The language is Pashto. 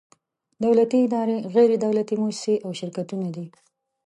دولتي ادارې، غیر دولتي مؤسسې او شرکتونه دي.